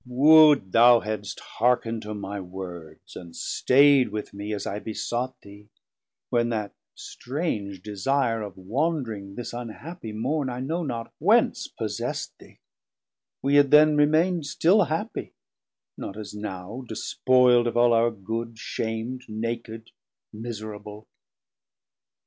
Would thou hadst heark'nd to my words, & stai'd With me, as I besought thee, when that strange Desire of wandring this unhappie Morn, I know not whence possessd thee; we had then Remaind still happie, not as now, despoild Of all our good, sham'd, naked, miserable.